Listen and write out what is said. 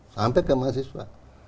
sampai ke mahasiswa